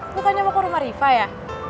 bukannya mau ke rumah riva ya